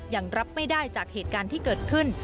ยังรับไม่ได้จากเหตุการณ์ที่เกิดขึ้น